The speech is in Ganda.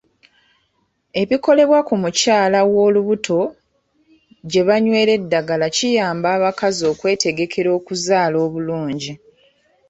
Ebikolebwa ku mukyala ow'olubuto gye banywera eddagala kiyamba abakazi okwetegekera okuzaala obulungi.